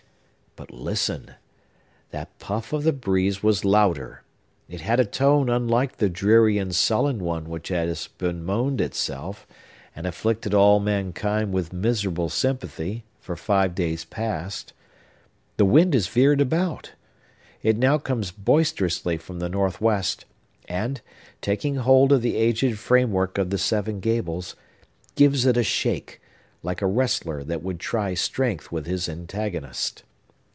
But, listen! That puff of the breeze was louder. It had a tone unlike the dreary and sullen one which has bemoaned itself, and afflicted all mankind with miserable sympathy, for five days past. The wind has veered about! It now comes boisterously from the northwest, and, taking hold of the aged framework of the Seven Gables, gives it a shake, like a wrestler that would try strength with his antagonist.